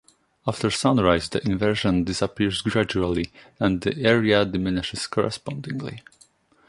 After sunrise, the inversion disappears gradually and the area diminishes correspondingly.